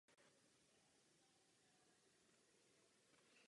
Toto španělské přísloví lze velmi dobře uplatnit na současnou situaci.